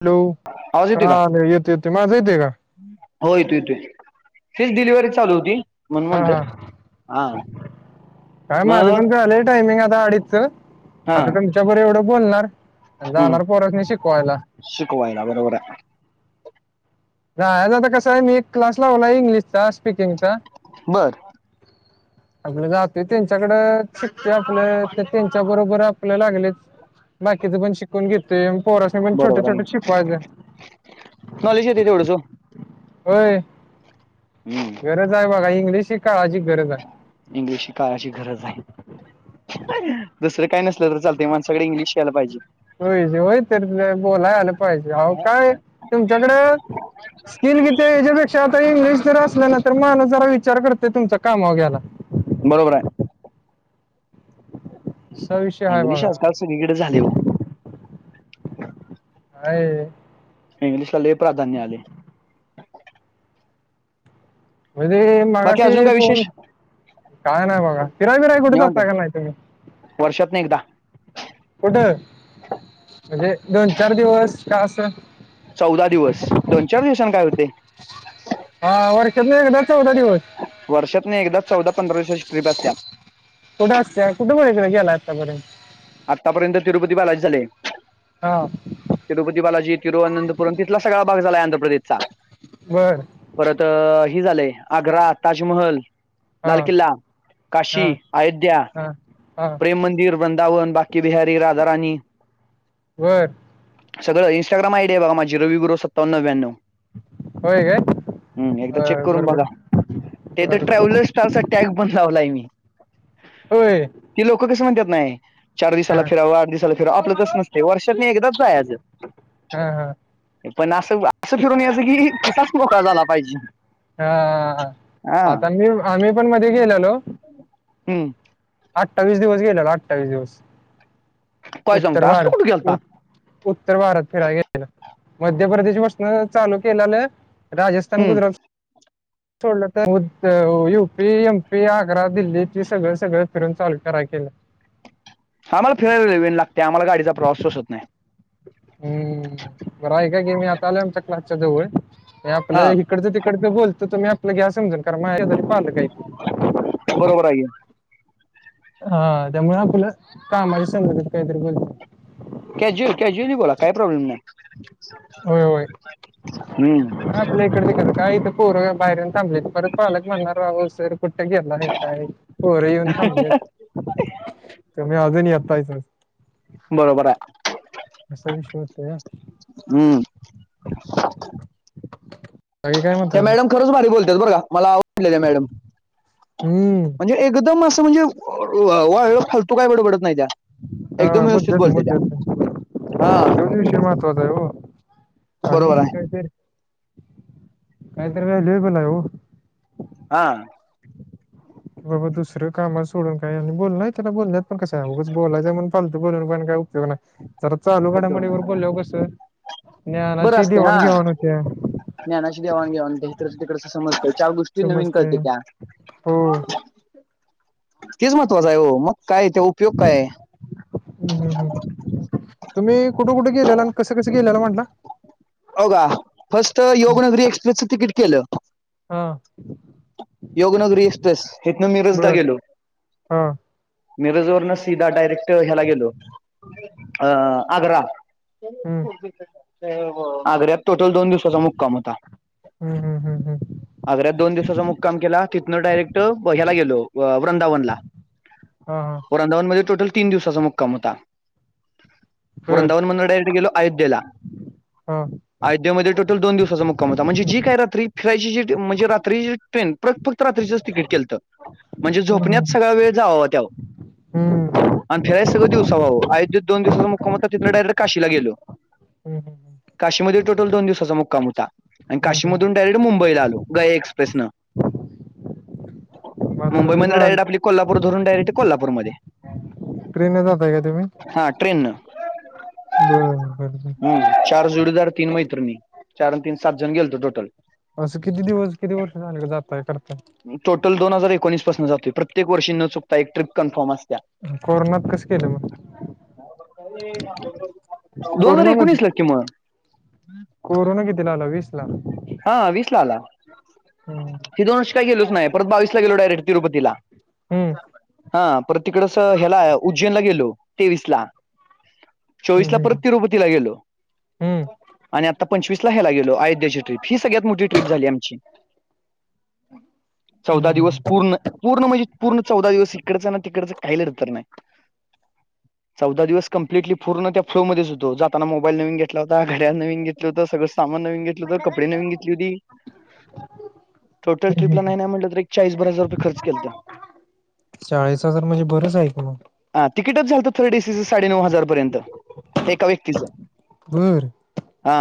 Hello आवाज येतोय का? हा येतो येतो माझा येतो का. हो येतो येतो तीच डिलिव्हरी चालू होती. म्हणून हा म्हटलं हा हा. काय माझं मग पण झालंय टायमिंग आता अडीच हा आता पण. तुझ्या बर एवढं बोलणार आण हम्म. जाणार पोरांसनी शिकवायला. शिकवायला बरोबर आहे. जायलातर कस आहे मी एक क्लास लावला आहे इंग्लिशचा स्पीकिंगचा. हं. आपलं जातो त्यांच्याकड शिकतो आपलं तर त्यांच्या बरोबर आपल लागलेच. बाकीच पण शिकून घेतोय पोरासनी पण छोट बरोबर आहे. छोट शिकवायच. नॉलेज येते तेवढंच ओ. होय हम्म. गरज आहे बघा इंग्लिश ही काळची गरज आहे इंग्लिश ही काळाची गरज आहे. दुसरं काय नसलं तर चालतय माणसाकडे इंग्लिश या्यला पाहिजे. होय होय तर बोलाय आलं पाहिजे अहो काय तुमच्याकड स्किल किती याच्यापेक्षा आता इंग्लिश जर असलं ना तर माणूस जरा विचार करते तुमचा कामाव घ्याला मी. बरोबर आहे. हं. इंग्लिश आजकाल सगळीकडे झाले हो. हाय. इंग्लिशला लय प्राधान्य आले. म्हणे बाकी अजून मगाशी काय फोन विशेष? काय नाही बघा फिराय बिराई कुठ जाता का नाही तुम्ही. वर्षातन एकदा कुठं म्हणजे दोन चार दिवस का असं. चौदा दिवस दोन चार दिवसान काय होतंय. हा वर्षातन एकदा चौदा दिवस. वर्षातन एकदा चौदा पंधरा दिवाची ट्रिप असत्या. कुठं असंत्या कुठं पर्यंत गेला आतार्यंत. आत्तापर्यंत तिरुपती बालाजि झाले. हा. तिरुपती बालाजी तिरुअनंतपुरम तिथला सगळा भाग झाला आहे आंध प्रदेशचा बर. परत हे झालंय आग्रा ताजमहल हा लाल किल्ला काशी हा अयोध्या. हा हा राम मंदिर वृंदावन बाकी बिहारी राधा राणी. बर. सगळ इंस्टा्राम आयडी आहे बघा माझी रवी गुरव सत्तावन्नव. होय हम्म एकदा चेक काय करून बघा बरोबर ते तर बरोबर ट्रॅव्हालर्स स्टार. टॅग पण लावलाय मी. होय. की लोकं कशी? म्हणतात नाय. चार हा दिसाला फिरावं, आठ दिसाला फिरावं, आपलं तस नसते. वर्षातन एकदाच जायाच. हा हा पण असं असं फिरून यायचं की खिसाच मोकळा झाला पाहिजे. हा हा आता मी आम्ही पण मध्ये गेलेलो. हम्म. अठ्ठावीस दिवस गेलेल्यात अठ्ठावीस दिवस काय उत्तर सांगता असलं कुठं गेलता भारत- उत्तर भारत फिरायला गेलेलो मध्य प्रदेश पासन चालू केलेलं राजस्थान, हम्म गुजरात- सोडलं तर U P, M P, Agra, दिल्लीची, सगळं सगळं फिरून चालू करा केलं. आम्हाला फिरायला लय वेळ लागते आम्हाला गाडीचा प्रवास सोसत नाही. हम्म बरं ऐका की मी आता आल आमच्या क्लासच्या जवळ मी आपल हा ही- ईकडं तिकडचं बोल तर तुम्ही आपला घ्या समजून कारण माझ्या शेजारी पालक आहेती. बरोबर आहे की. हा त्यामुळे आपलं कामाच्या संबधीत काहीतरी बोलतो. कॅज्युली कॅज्युली बोला काय प्रॉब्लेम नाही होय होय हम्म. आपल्या इकडं तिकडं थांबले इथं पोर बाहेर येऊन थांबली परत पालक म्हनणार राव सर. कुठ्? गेलाय काय पोर येऊन थांबली तुम्ही अजून येताय साच. बरोबर आहे. असा विषय होतो या. हम्म बाकी काय त्या म्हणताय सर. मॅडम खरंच भारी बोलत्यात बरं का मला आवडल्या त्या मॅडम हम्म म्हणजे- एकदम असं म्हणजे वाळल फालतू काय बडबडत नाही त्या. हा एकदम व्यवस्थित मुद्दाचं, बोलते त्या मुद्याचं. हा तोच विषय महत्वाच आहे ओ आणि बरोबर आहे काहीतरी काहीतरी राहिलंय बोलाय ओ. हा. बाबा दुसरं कामात सोडून काय आणि बोलल त्याला बोलण्या कसं उगच बोलायच म्हणून फाल बोलून पण काय उपयोग नाय. तर चालु उपयोग नाही घडामोडीवर बरोबर बोल्यावर कसं बरं ज्ञानाची असते हा देवाण घेवाण होत्या. ज्ञानाची देवाणघेवाण होते हिकडंच तिकडचं समजत चार गोष्टी जी नवीन समजते कळत्यात्या. हो तेच महत्त्वाचं आहे हो मग काय? ते उपयोग काय! हम हम् तुम्ही कुठे? कुठे? गेलेला अन कसं कसं गेलेला म्हटला. होका फस्ट योगनगरी एक्सप्रेसचं तिकीट केलं. हा. योगनगरी एक्सप्रेस हेथन रोजदा बर गेलो हा मिरज वरन सिधा डयरेक्टला ह्याला गेलो अ आग्रा. हम्. आग्र्यात. टोटल दोन दिवसाचा मुक्काम होता. हम्म हम्म हम्म हम्म आग्रात दोन दिव- मुक्काम केला तिथनं डायरेक्ट ह्याला गेलो वृंदावनला. हा हा वृंदानमध्ये टोटल तीन दिवसाचा मुक्काम होता. बर वृंदावन मधन डायरेक्ट गेलो अयोध्येला. हा आयोध्यामध्ये टोटल दोन दिवसाचा मुक्काम होता. म्हणजे जी काय रात्री फिरायची जी म्हणजे रात्री ट्रेन प्रत फक्त रात्रीच तिकीट केलतं म्हणजे हम्म झोपण्यात हम्म सगळा वेळ जावावा त्याव- हम्म आणि फिराय सगळं दिवसाव्हाव अयोध्येत दोन दिवसाचा मुक्काम तिथ डायरेक्ट काशीला गेलो. हम्म काशीमध्ये टोटल दोन दिवसाचा मुक्काम होता. आणि हम्म काशीमधून हम्म डायरेक्ट मुंबईला आलो गया एक्प्रेसनं. आता ते मुंबईमध्ये बा डायरेक्ट आपली धरून डायरेक्ट कोल्हापूरमध्ये. ट्रेन न जातय का तुम्ही? हा ट्रेननं बर बर बर हम्म चार जोडीदार. तीन मैत्रणी चार आणि तीन सात जण गेलतो टोटल. असं किती दिवस किती वर्ष झाले जाताय करताय. टोटल दोन हजार एकोणीस पासून जातोय. प्रत्येक वर्षी न चुकता एक ट्रीप कन्फर्म असत त्या, कोरोनात कसं केल मग? दोन हजार कोरोनामध्ये एकोणीस ला किं मग. कोरोना कितीला आला वीस ला. हा वीस ला आला. हम्म ती दोन वर्ष काय गेलोच नाही, परत बावीस ला गेलो डायरेक्ट तिरुपतीला. हम्म हा पर तिकडस ह्याला उज्जैनला गेलो तेवीस ला. चोवीस हम्म ला परत तिरुपतीला गेलो. हम्म आणि आता पंचवीस ला ह्याला गेलो, अयोध्याची ट्रीप ही सगळ्यात मोठी ट्रीप झाली आमची‌. हम्म चौदा हम्म दिवस पूर्ण, पूर्ण म्हणजे पूर्ण चौदा दिवस इकडचं ना तिकडचं काही लडतर नाही. चौदा दिवस कंप्लीट पूणू त्या फ्लोध्येच होत जाता मोबाईल नवीन घ घेतला होता. घड्या नवीन घेतल्या होत सगळं सामान नवीन घेतलं हों कपडे नवीन घेतली होती. टोटल ट्रिपला नाही नाही म्हटलं तर एक चाळीस. हजार रुये खर्च केलंत. चाळीस हजार म्हणजे बरेच आहेत‌. हा तिकीटच झालंत थर्ड एसीचं साडे नऊ हजार पर्यंत एका व्यक्तीच. बर. हा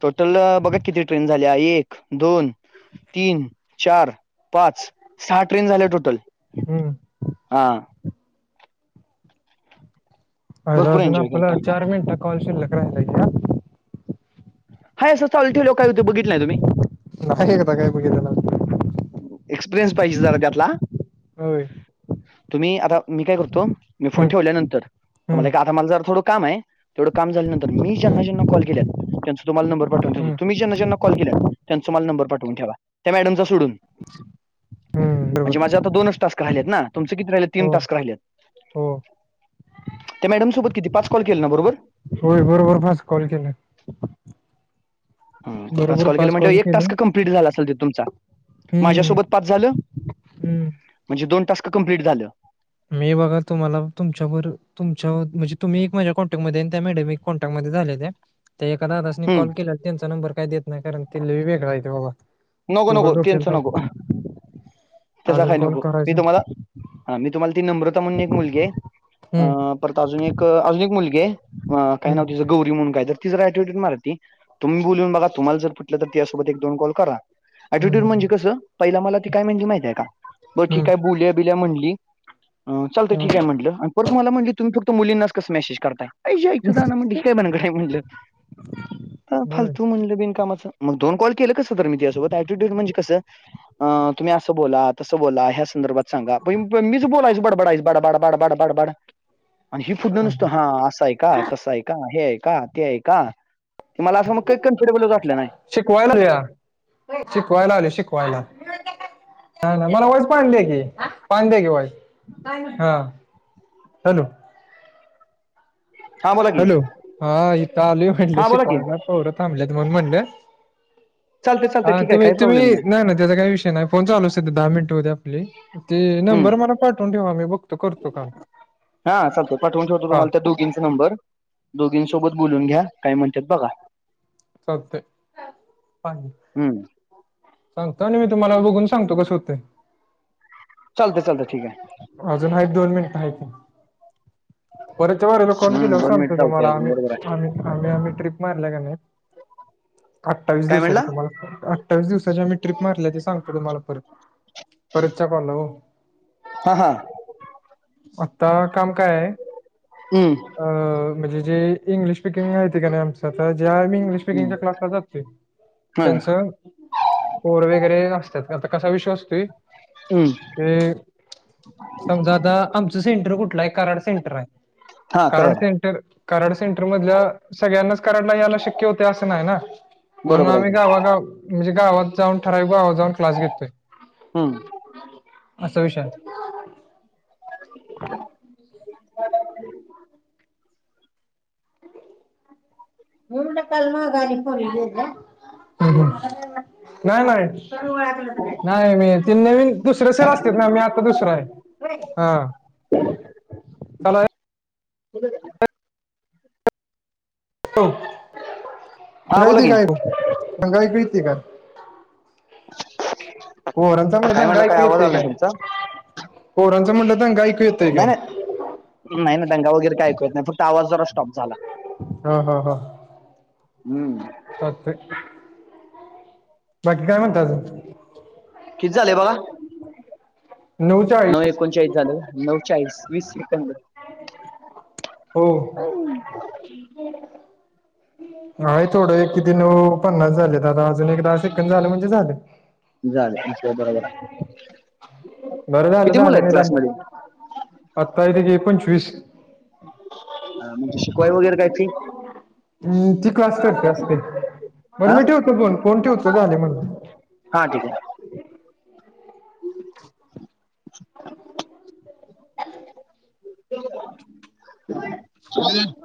टोटल बघा किती ट्रेन झाल्या. एक, दोन, तीन चार, पाच, सहा ट्रेन झाल्या टोटल. हम्म हा अर भरपूर अजून एन्जॉय आपला केलता. चार मिनिट कॉल शिलक राहिलाय की आ. हाय असं चालु ठेवल्या वर काय होतय बघितलं नाही तुम्ही? नाही. एकदा काय बघितलं. एक्सपिरियन्स पाहिजे जरा त्यातला. होय. तुम्ही आता मी काय करतो, मी फोन हम्म ठेवल्यानंतर हम्म तुम्हाला आता मला जरा थोडं काम आहे. तेवढं काम झाल्यानंतर मी हम्म ज्यांना ज्यांना कॉल केलेत. त्यांचा तुम्हाला नंबर पाठवून ठेवतो. हम्म तुम्ही जान्हा जान्हा कॉल केल्यात त्यांचा मला नंबर पाठवून ठेवा, त्या मॅडमचा सोडून. [inaudible] हम्म म्हणज बरोबर माझे आता दोन च टास्क राहिलेत ना, तुमंचे किती राहिलेत तीन हो टास्क राहिलेत. हो त्या मॅडमसोबत किती पाच कॉल केल ना बरोबर. होय बरोबर पाच कॉल केल्यात. पाच कॉल केला म्हटल्यावर एक टास्क कंप्लीट झाला असेल तुमचा. हम्म माझ्यासोबत पाच झाल. हम्म म्हणजे दोन टास्क कंम्पलीट झालं. मी बघा तुम्हाला तुमच्यावर तुमच्या म्हणजे तुम्ही एक माझ्या कॉनटॅक्टमध्ये आणि त्या मॅड कॉन्टॅक्ट मध्ये झाल्यात्या. ते एका दादासनी हम्म कॉल केला त्यांचा नंबर काय देत नाही कारण ते लय वेगळा ये बाबा. नको त्यो उगाच नको त्याचा डोक्याला नको ताप त्याचा अजून काही कॉल नको मी करायचा तुम्हाला. हा मी तुम्हाला ती नम्रता म्हणून एक मुलगी आहे हम्म अ परत अजून एक अजून एक मुलगी आहे. काय हम्म नाव तीच. गौरी म्हणून काय तर ती जर ऐटीट्यूड मार तीतुम्ही बोलून बघ तुम्हाला जर पटलं तर त्यासोत एक दोन कॉल करा. हम्म ऐटिट्यूड म्हणजे हम्म कसं पहिला मला ते काय म्हणजे माहितय का बर ठीक हम्म आहे बोलुया. ल हम्म ठीक म्हटला परत मला म्हंटली तुम्ही फक्त मुलींनाच कस मेसेज करता. बर फालतू म्हणलं बिनकामाचं. मग दोन कॉल के कसं तर मी त्यासोबत ऍटिट्यूड म्हणे कसं. अ तुम्ही असं बोला तं बोला ह्या संदर्भात सांगा प मीच बोलायसं बडबडायस बडबाडडबाड. बडबड. आणि हि फुढ न नसतो हा असं आहे का तसं आहे का हे आहे का ते आहे का. ते मला असं मग काही कम्फर्टेबल वाटलं नाही. शिकवायला र शिकवायला आले शिकवायला. ह नाही मला वाईज पाणी द्या क पाणी द्या क वाईज हा हॅलो. हा बोला की हॅलो हा इथ आलोय म्हंटल हा बोला की शिकवाला पोर थांबलंत मण म्हणून चालते चालते म्हणलं ठीक आहे तुम्ही काही प्रॉब्लेम तुम्ही नाही ना त्याचा काही विषय नाही. फोन चालू दहा मिनिट होऊ द्या आपले ते नंबर हम्म मला पाठवून ठेवा मी बघतो करतो काॅल. हां चालते पाठवून ठेवतो तुम्हाला त्या दोघींचा नंबर. दोघींसोबत बोलून घ्या काय म्हणतात बघा. चालतय. हम्म सांगतो आणि मी तुम्हाला बघून सांगतो कस होते. चालत चालत ठीक आहे. अजून आहेत दोन मिनिटं आहेत ते परतच्या वारीला कॉल केले हम्म दोन मिनिट सांगतो जाऊते तुम्हाला अजून आम्ही. बरोबर आहे आम्ही आम्ही आम्ही ट्रिप मारल्या का नाही अठ्ठावीस काय दिवसाची म्हणला तुम्हाला अठ्ठावीस दिवसाच्या मी ट्रिप मारल्या ते सांगतो तुम्हाला परत परतच्या कॅला हो. हा हा. आता काम काय आहे? हम्म. अ म्हणजे जे इंग्लिश स्पीकिंग आहे का आमच आता ज्या आम्ही इंग् स्पीकिंग हम्म च्या क्लास ला जातो हं, त्यांच कोड वैगेरे असतात आता कसा विश्वास. हम्म ते समजा आता. आमचं सेंटर कुठलं आहे कराड सेंटर आहे हा करा कराड सेंटर. कराड सेंटर मधल्या सगळ्यांनाच कराड ला यायला शिक होते नाही म्हणून बरोबर आहे आम्ही की गावागाव. म्हणजे गावात जाऊन ठरावीक गावात जाऊन क्लास घेतोय. हम्म. असा विषय. हम्म हम्म. नाही नाही नाही मी ती नवीन दुसरे सर असतेत ना मी आता दुसरा आहे. हा. चला हं. होय हा तूला बोला येतोय की का ऐकू माझा ऐकू येतोय का? पोरांचा म्हटल काय दंगा. म्हणलं काय ऐकू आवाज येतोय आला का? नाही तुमचा पोरांचा म्हटलं दंगा ऐक नाही नाही नाही ना दंगा वगैरे काय ऐकू येत नाही फक्त आवाज जरा स्टॉप झाला. हा हा हा. हम्म. चालतंय बाकी काय म्हणता अजून किती झालय बघा नऊ चाळीस म एकोणचाळीस झालं नऊचाळीस वीस सेकंद हो आहे थोडं किती नऊ पन्नास झालेत आता अजून एक दहा सेकद झाल म्हणजे झाल. झाल [unintelligible] बरोबर आहे बरं झालं झालं निदान आता हे किती पंचवीस हा म्हणजे शिकवाय वगैरे काय फी? हम् ती क्लास तर्फे असते बर हा मी ठेवतो फोन फोन ठेवतो झालय माझं. हा ठीक आहे. हं हं